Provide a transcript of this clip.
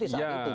di saat itu